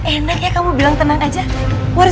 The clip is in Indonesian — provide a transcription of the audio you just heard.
enak ya kamu bilang tenang aja